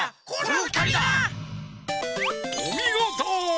おみごと！